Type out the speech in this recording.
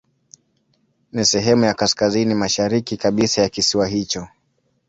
Ni sehemu ya kaskazini mashariki kabisa ya kisiwa hicho.